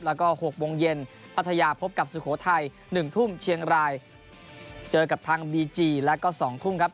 แล้วก็๖โมงเย็นพัทยาพบกับสุโขทัย๑ทุ่มเชียงรายเจอกับทางบีจีแล้วก็๒ทุ่มครับ